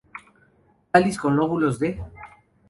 Cáliz con lóbulos de.